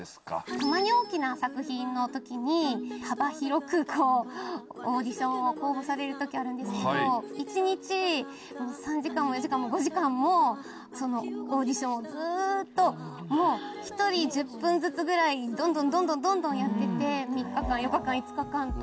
たまに大きな作品の時に幅広くオーディションを公募される時あるんですけど一日３時間も４時間も５時間もそのオーディションをずっと一人１０分ずつぐらいどんどんどんどんどんどんやってて３日間４日間５日間と。